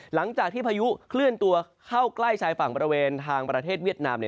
หลังจากที่พายุเคลื่อนตัวเข้าใกล้ชายฝั่งบริเวณทางประเทศเวียดนาม